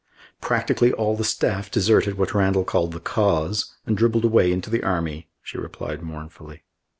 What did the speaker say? "Practically all the staff deserted what Randall called the Cause and dribbled away into the army," she replied mournfully.